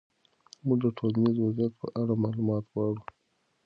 موږ د ټولنیز وضعیت په اړه معلومات غواړو.